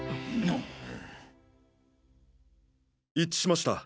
一致しました。